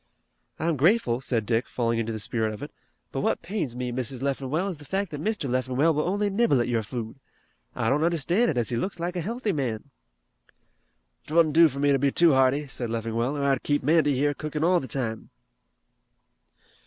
"I'm grateful," said Dick falling into the spirit of it, "but what pains me, Mrs. Leffingwell, is the fact that Mr. Leffingwell will only nibble at your food. I don't understand it, as he looks like a healthy man." "'Twouldn't do for me to be too hearty," said Leffingwell, "or I'd keep Mandy here cookin' all the time."